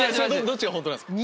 どっちが本当なんですか？